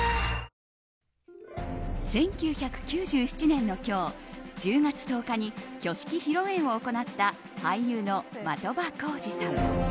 １９９７年の今日１０月１０日に挙式・披露宴を行った俳優の的場浩司さん。